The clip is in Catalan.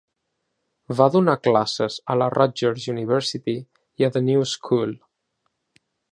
Va donar classes a la Rutgers University i a The New School.